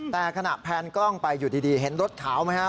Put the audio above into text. แต่ขณะแพนกล้องไปอยู่ดีเห็นรถขาวไหมครับ